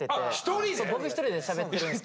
そう僕一人でしゃべってるんですけど。